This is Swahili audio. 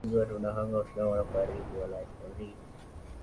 ni njia potofu na wanapaswa